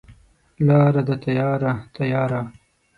لاره ده تیاره، تیاره